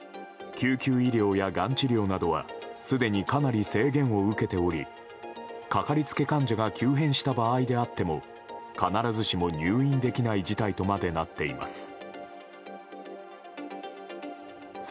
救急医療やがん治療などはすでにかなり制限を受けておりかかりつけ患者が急変した場合であっても必ずしも入院できない事態とまでなっています。